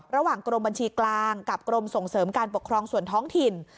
ระหว่างกรมบัญชีกลางกับกรมส่งเสริมการปกครองส่วนท้องถิ่น